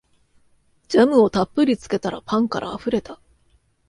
ジャムをたっぷりつけたらパンからあふれた